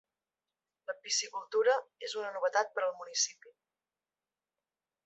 La piscicultura és una novetat per al municipi.